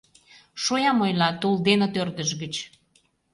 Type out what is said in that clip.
— Шоям ойла, — тулденыт ӧрдыж гыч.